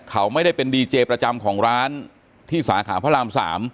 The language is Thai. เขาไม่ได้เป็นดีเจประจำของร้านที่สาขาพระราม๓